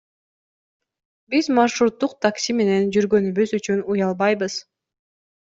Биз маршруттук такси менен жүргөнүбүз үчүн уялбайбыз.